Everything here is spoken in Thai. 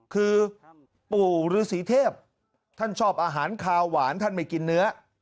คือปู่ฤษีเทพท่านชอบอาหารคาวหวานท่านไม่กินเนื้อ